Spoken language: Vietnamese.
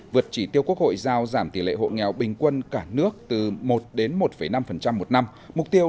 vượt chỉ tiêu quốc hội giao giảm tỷ lệ hộ nghèo bình quân cả nước từ một đến một năm một năm mục tiêu